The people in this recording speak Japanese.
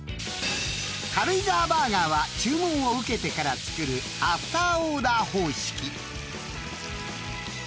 ［軽井沢バーガーは注文を受けてから作るアフターオーダー方式］